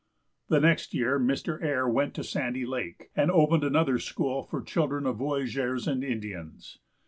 The next year Mr. Ayre went to Sandy lake, and opened another school for the children of voyageurs and Indians.